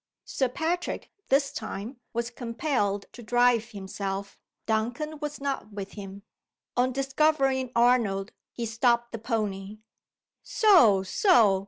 Sir Patrick, this time, was compelled to drive himself Duncan was not with him. On discovering Arnold, he stopped the pony. "So! so!"